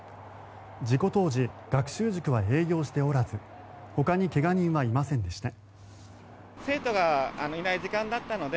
事故当時学習塾は営業しておらずほかに怪我人はいませんでした。